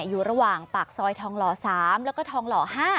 อยู่ระหว่างปากซอยทองหล่อ๓แล้วก็ทองหล่อ๕